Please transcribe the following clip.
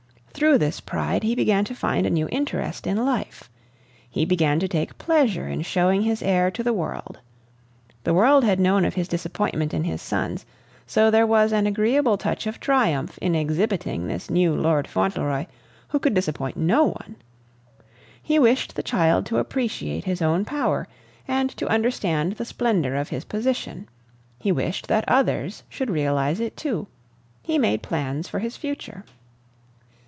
Through this pride he began to find a new interest in life. He began to take pleasure in showing his heir to the world. The world had known of his disappointment in his sons; so there was an agreeable touch of triumph in exhibiting this new Lord Fauntleroy, who could disappoint no one. He wished the child to appreciate his own power and to understand the splendor of his position; he wished that others should realize it too. He made plans for his future.